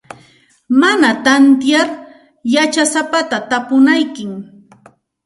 Mana tantiyar yachasapata tapunaykim.